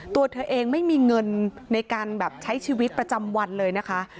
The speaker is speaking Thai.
ตัวเธอเองไม่มีเงินในการแบบใช้ชีวิตประจำวันเลยนะคะ